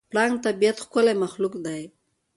پړانګ د طبیعت ښکلی مخلوق دی.